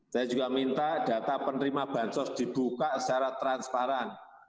saya juga minta data penerima bansos dibuka secara transparan